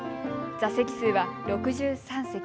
座席数は６３席。